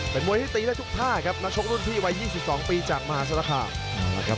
เป็นมวยที่ตีได้ทุกท่าครับนักชกรุ่นพี่วัย๒๒ปีจากมหาศาลคามนะครับ